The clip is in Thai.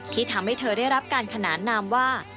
ที่ทำให้เธอได้รับการขนานนามว่า